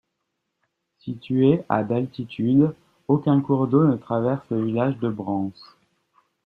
Situé à d'altitude, aucun cours d'eau ne traverse le village de Brans.